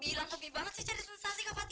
iya lagi sakit lebih parah